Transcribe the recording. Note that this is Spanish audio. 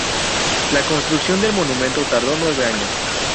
La construcción del monumento tardó nueve años.